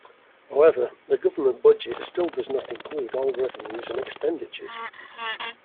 However, the government budget still does not include all revenues and expenditures.